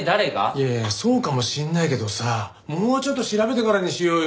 いやいやそうかもしれないけどさもうちょっと調べてからにしようよ。